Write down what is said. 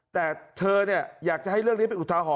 ที่เธออยากให้เรื่องนี้ไปอุทาฝอ